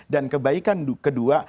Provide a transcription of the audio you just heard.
dan kebaikan kedua